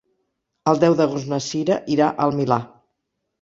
El deu d'agost na Sira irà al Milà.